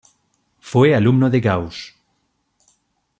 Fue alumno de Gauss.